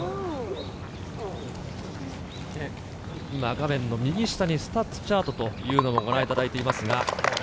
画面の右下にスタッツチャートをご覧いただいています。